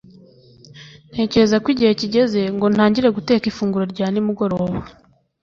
ntekereza ko igihe kigeze ngo ntangire guteka ifunguro rya nimugoroba